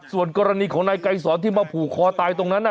ส่วนกรณีของนายไกรสอนที่มาผูกคอตายตรงนั้น